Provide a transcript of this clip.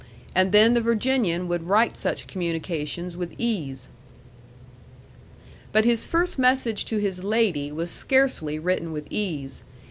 And then the Virginian would write such communications with ease. But his first message to his lady was scarcely written with ease.